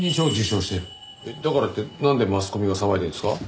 だからってなんでマスコミが騒いでるんですか？